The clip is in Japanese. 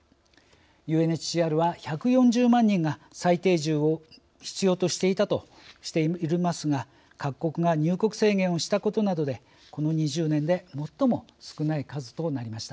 ＵＮＨＣＲは１４０万人が再定住を必要としていたとしていますが各国が入国制限をしたことなどによってこの２０年で最も少ない数となりました。